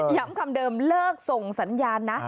คำเดิมเลิกส่งสัญญาณนะ